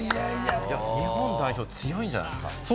日本代表、強いんじゃないですか？